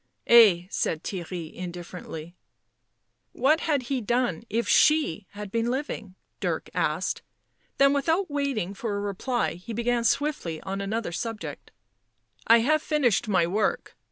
" Ay," said Theirry indifferently. "What had he done if she had been living?" Dirk asked, then without waiting for a reply he began swiftly on another subject. " I have finished my work.